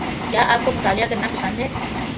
کیا آپ کو مطالعہ کرنا پسند ہے